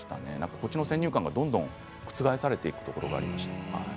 こちらの先入観がどんどん覆されていくところがありましたね。